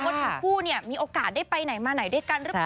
ทั้งคู่มีโอกาสได้ไปไหนมาไหนด้วยกันหรือเปล่า